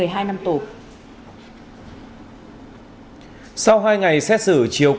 sau hai ngày xét xử chiều qua tòa nhân dân huyện cầm giang của tỉnh hải dương